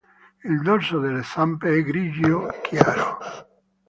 Il dorso delle zampe è grigio chiaro.